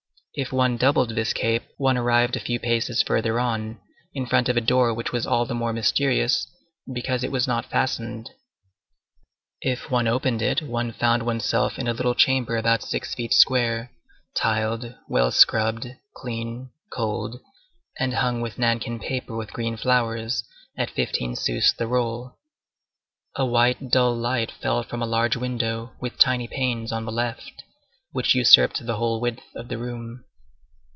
If one doubled this cape, one arrived a few paces further on, in front of a door which was all the more mysterious because it was not fastened. If one opened it, one found one's self in a little chamber about six feet square, tiled, well scrubbed, clean, cold, and hung with nankin paper with green flowers, at fifteen sous the roll. A white, dull light fell from a large window, with tiny panes, on the left, which usurped the whole width of the room.